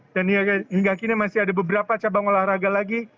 dan hingga kini masih ada beberapa cabang olahraga lagi